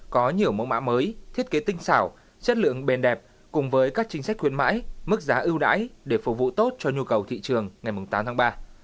có nhiều mẫu mã mới thiết kế tinh xảo chất lượng bền đẹp cùng với các chính sách khuyến mãi mức giá ưu đãi để phục vụ tốt cho nhu cầu thị trường ngày tám tháng ba